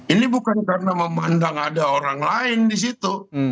ini bukan karena memandang ada orang lain di situ